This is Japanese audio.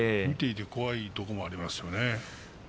見ていて怖いところがありますね。